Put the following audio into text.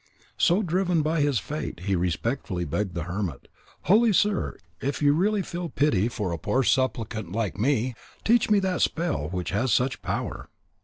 So, driven on by his fate, he respectfully begged the hermit: "Holy sir, if you really feel pity for a poor suppliant like me, teach me that spell which has such power."